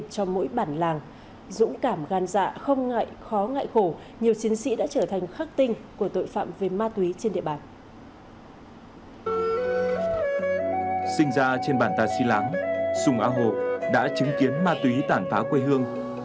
sùng á hồ đã chứng kiến ma túy tản phá quê hương